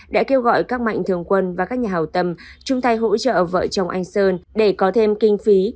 đã kêu gọi các mạnh thường quân và các nhà hào tâm chung tay hỗ trợ vợ chồng anh sơn để có thêm kinh phí